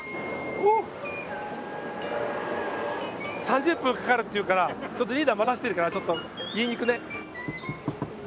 ３０分かかるっていうからリーダー待たせてるからちょっと言いに行くね。